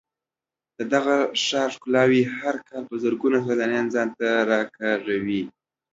د دغه ښار ښکلاوې هر کال په زرګونو سېلانیان ځان ته راکاږي.